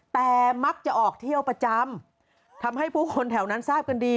แต่มักจะออกเที่ยวประจำทำให้ผู้คนแถวนั้นทราบกันดี